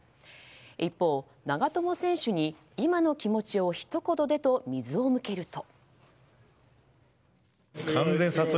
一方、長友選手に今の気持ちをひと言でと水を向けると。